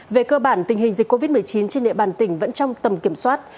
về cơ bản tình hình dịch covid một mươi chín trên địa bàn tỉnh vẫn trong tầm kiểm soát